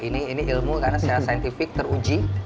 ini ilmu karena secara saintifik teruji